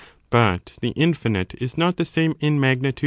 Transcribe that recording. But the Infinite is not the same in magnitude, s.